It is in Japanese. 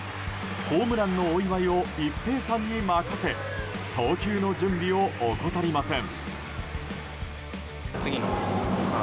ホームランのお祝いを一平さんに任せ投球の準備を怠りません。